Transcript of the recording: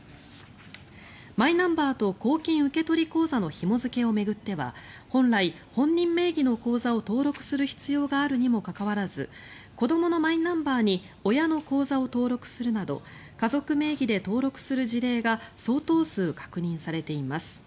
マイナンバーと公金受取口座のひも付けを巡っては本来、本人名義の口座を登録する必要があるにもかかわらず子どものマイナンバーに親の口座を登録するなど家族名義で登録する事例が相当数確認されています。